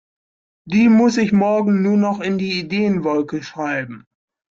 Die muss ich morgen nur noch in die Ideenwolke schreiben.